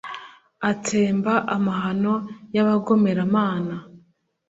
atsemba amahano y'abagomeramana